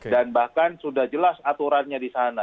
dan bahkan sudah jelas aturannya di sana